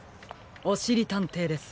おしりたんていです。